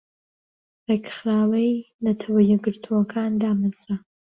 رێکخراوی نەتەوە یەکگرتوەکان دامەزرا